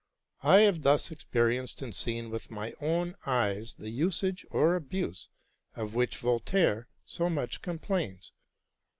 I have thus experienced and seen with my own eyes the usage or abuse of which Voltaire so much complains.